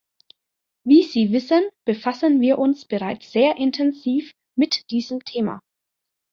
Wie Sie wissen, befassen wir uns bereits sehr intensiv mit diesem Thema.